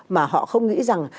mà họ không nghĩ rằng